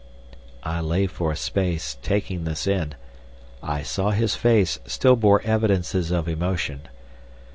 I lay for a space taking this in. I saw his face still bore evidences of emotion.